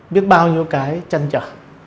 biết bao nhiêu cái chăn chở